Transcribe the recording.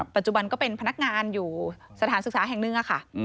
ปัจจุบันก็เป็นพนักงานอยู่สถานศึกษาแห่งหนึ่งค่ะ